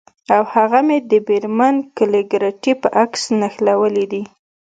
او هغه مې د میرمن کلیګرتي په عکس نښلولي دي